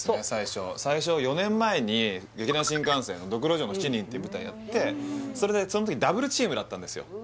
最初そう最初は４年前に劇団☆新感線の「髑髏城の七人」ていう舞台やってそれでその時ダブルチームだったんですよ